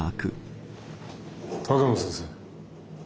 鷹野先生。